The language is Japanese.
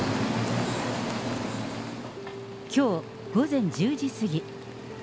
きょう午前１０時過ぎ。